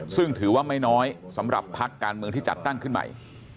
ซึ่งถือว่าไม่น้อยสำหรับพักการเมืองที่จัดตั้งขึ้นใหม่